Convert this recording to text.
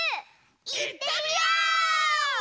いってみよう！